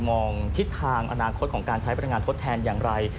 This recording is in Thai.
มองทิศทางอนาคตของการใช้พนักงานทดแทนอย่างไร